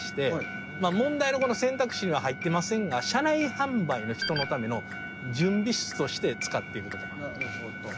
問題の選択肢には入ってませんが車内販売の人のための準備室として使っているとこもあると。